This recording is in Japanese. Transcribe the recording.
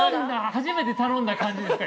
初めて頼んだ感じですか